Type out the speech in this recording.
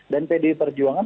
dan pd perjuangan